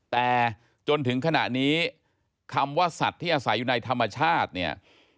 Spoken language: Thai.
แต่จนถึงขณะนี้คำว่าสัตว์ที่อาศัยอยู่ในธรรมชาติเนี่ย